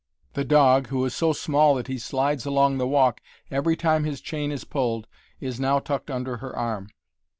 The dog, who is so small that he slides along the walk every time his chain is pulled, is now tucked under her arm.